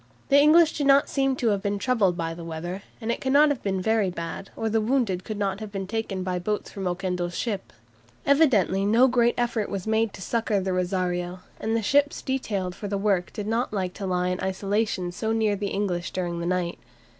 The English do not seem to have been troubled by the weather, and it cannot have been very bad, or the wounded could not have been taken by boats from Oquendo's ship. Evidently no great effort was made to succour the "Rosario," and the ships detailed for the work did not like to lie in isolation so near the English during the night.